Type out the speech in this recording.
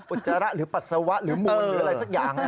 อุจจาระหรือปัสสาวะหรือมูลหรืออะไรสักอย่างนะ